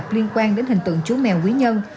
liên quan đến hình tượng chú mèo quý nhân